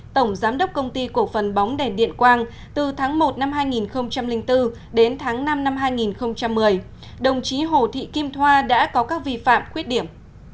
tổng giám đốc công ty cổ phần bóng đèn điện quang từ tháng một năm hai nghìn bốn đến tháng năm năm hai nghìn một mươi đồng chí hồ thị kim thoa đã có các vi phạm khuyết điểm